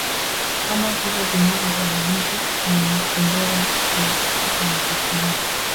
ama vifo vinavyosababishwa na makombora ya wamarekani